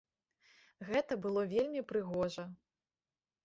Гэта было вельмі прыгожа.